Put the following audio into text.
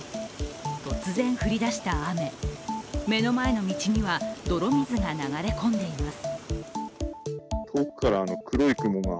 突然降りだした雨、目の前の道には泥水が流れ込んでいます。